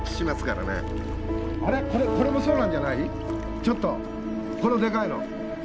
ちょっとこのでかいの。